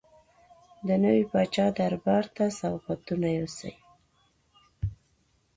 د نوي پاچا دربار ته سوغاتونه یوسي.